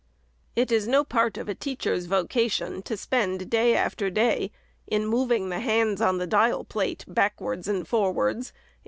It is no part of a teacher's vocation to spend day after day in moving the hands on the dial plate backwards and forwards, in FIRST ANNUAL REPORT.